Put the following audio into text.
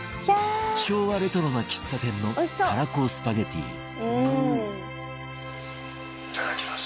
昭和レトロな喫茶店のたらこスパゲティいただきます。